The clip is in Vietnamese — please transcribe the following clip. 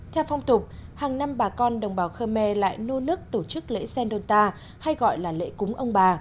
theo phong tục hàng năm bà con đồng bào khơ me lại nô nức tổ chức lễ sèn đôn ta hay gọi là lễ cúng ông bà